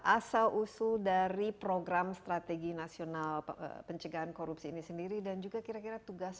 asal usul dari program strategi nasional pencegahan korupsi ini sendiri dan juga kira kira tugas